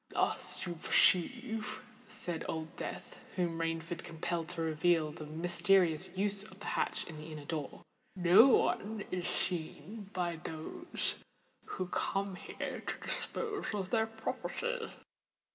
"Thus, you perceive," said Old Death, whom Rainford compelled to reveal the mysterious use of the hatch in the inner door, "no one is seen by those who come here to dispose of their property."